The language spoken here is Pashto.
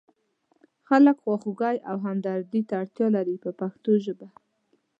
خلک خواخوږۍ او همدردۍ ته اړتیا لري په پښتو ژبه.